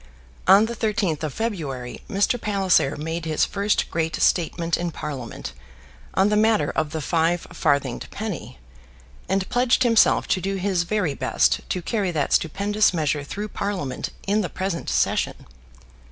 On the 13th of February Mr. Palliser made his first great statement in Parliament on the matter of the five farthinged penny, and pledged himself to do his very best to carry that stupendous measure through Parliament in the present session.